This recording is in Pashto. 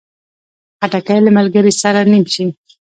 خټکی له ملګري سره نیم شي.